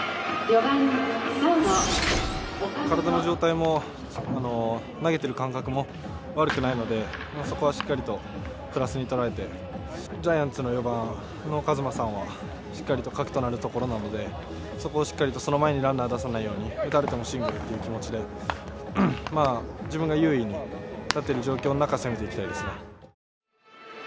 体の状態も投げてる感覚も悪くないのでそこはしっかりとプラスに捉えて、ジャイアンツの４番の和真さんはしっかりと核となるところなので、そこはランナー出さないように打たれてもシングルっていう気持ちで自分が優位に立てる状況の中攻めていきたいですね。